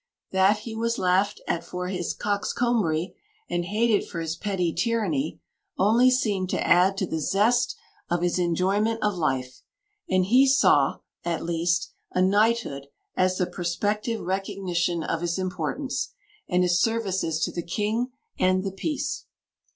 That he was laughed at for his coxcombry and hated for his petty tyranny only seemed to add to the zest of his enjoyment of life; and he saw, at least, a knighthood as the prospective recognition of his importance, and his services to the King and the peace.